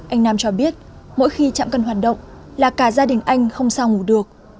anh nam cho biết mỗi khi chạm cân hoạt động là cả gia đình anh không sao ngủ được